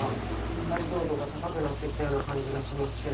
解像度が高くなってきたような感じがしますけれども。